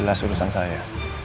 jelas urusan saya